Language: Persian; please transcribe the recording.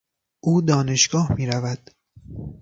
او دانشگاه میرود.